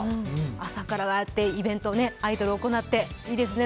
朝から、ああやってイベントアイドルが行って、いいですね。